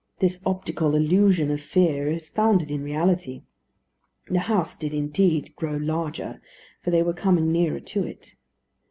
This optical illusion of fear is founded in reality. The house did indeed grow larger, for they were coming nearer to it.